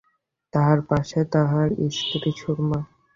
তাঁহার পার্শ্বে তাঁহার স্ত্রী সুরমা।